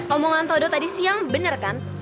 omongan todo tadi siang benar kan